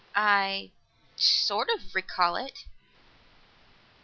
"I sort of recall it."